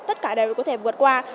tất cả đều có thể vượt qua